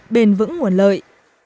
bền vững nguồn lợi